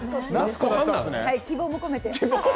希望も込めて。